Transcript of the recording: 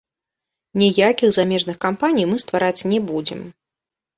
Ніякіх замежных кампаній мы ствараць не будзем.